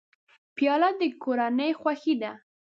پیاله د کورنۍ خوښي ده.